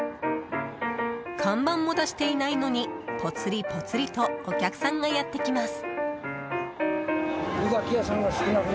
看板も出していないのにぽつりぽつりとお客さんがやってきます。